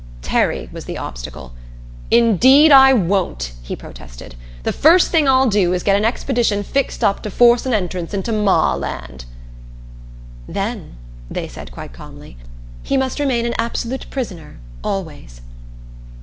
Terry was the obstacle. "Indeed I won't!" he protested. "The first thing I'll do is to get an expedition fixed up to force an entrance into Ma land." "Then," they said quite calmly, "he must remain an absolute prisoner, always."